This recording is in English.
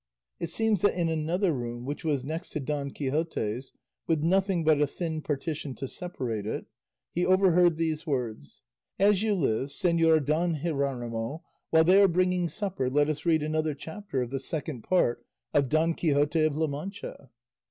It seems that in another room, which was next to Don Quixote's, with nothing but a thin partition to separate it, he overheard these words, "As you live, Señor Don Jeronimo, while they are bringing supper, let us read another chapter of the Second Part of 'Don Quixote of La Mancha.